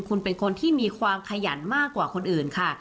คุณเป็นคนที่มีความขยันมากกว่าคนอื่นค่ะ